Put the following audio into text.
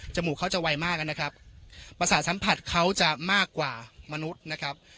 มูกเขาจะไวมากนะครับประสาทสัมผัสเขาจะมากกว่ามนุษย์นะครับ